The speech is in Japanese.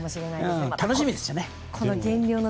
楽しみですよね。